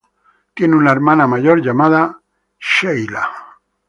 Tiene una hermana mayor llamada Sheila.